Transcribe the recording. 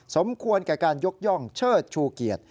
สมควรแก่การยกย่องเชิดชูเกียรติ